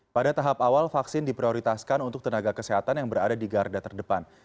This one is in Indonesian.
pada tahap awal vaksin diprioritaskan untuk tenaga kesehatan yang berada di garda terdepan